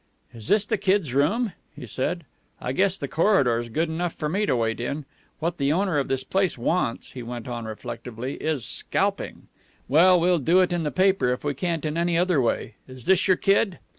"Is this the kid's room?" he said. "I guess the corridor's good enough for me to wait in. What the owner of this place wants," he went on reflectively, "is scalping. Well, we'll do it in the paper if we can't in any other way. Is this your kid?"